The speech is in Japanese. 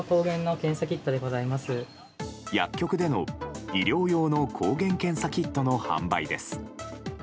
薬局での、医療用の抗原検査キットの販売です。